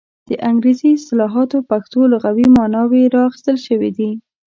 د انګریزي اصطلاحاتو پښتو لغوي ماناوې را اخیستل شوې دي.